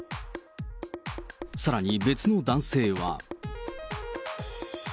さらに、別の男性は。